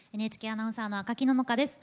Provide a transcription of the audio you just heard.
ＮＨＫアナウンサーの赤木野々花です。